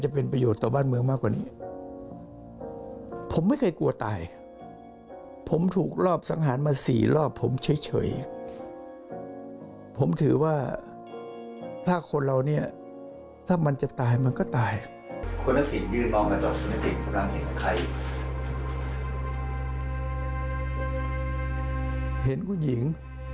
ผมเห็นคุณหญิง